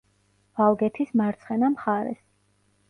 ალგეთის მარცხენა მხარეს.